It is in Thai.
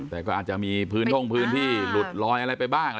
แต่ก็อาจจะมีพื้นท่งพื้นที่หลุดลอยอะไรไปบ้าง